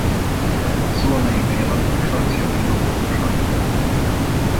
Zolnai Béla francia filológus atyja.